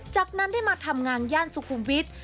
จากนั้นได้มาทำงานย่านสุขุมวิทย์